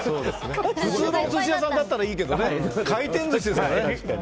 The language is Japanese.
普通のお寿司屋さんだったらいいけど回転寿司ですからね。